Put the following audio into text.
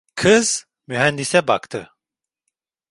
Kız, mühendise baktı.